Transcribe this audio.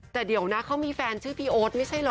แต่เดี๋ยวนะเขามีแฟนชื่อพี่โอ๊ตไม่ใช่เหรอ